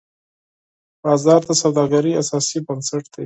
بازار د سوداګرۍ اساسي بنسټ دی.